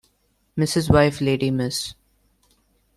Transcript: Mrs. wife lady Miss